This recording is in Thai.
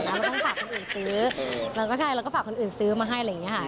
เราก็ต้องฝากคนอื่นซื้อเราก็ใช่เราก็ฝากคนอื่นซื้อมาให้อะไรอย่างนี้ค่ะ